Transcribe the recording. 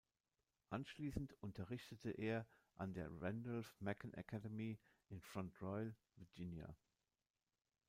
Anschließend unterrichtete er an der "Randolph-Macon Academy" in Front Royal, Virginia.